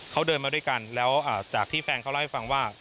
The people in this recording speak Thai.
เขาเดินมาด้วยกันแล้วจากที่แฟนเขาเล่าให้ฟังว่า